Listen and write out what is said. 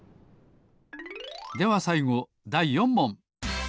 ではさいごだい４もん。